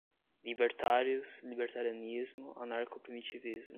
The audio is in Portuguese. Libertários, libertarianismo, anarcoprimitivismo